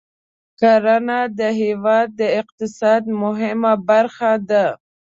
کرنه د هېواد د اقتصاد مهمه برخه ده.